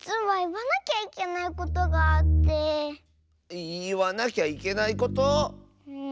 いわなきゃいけないこと⁉うん。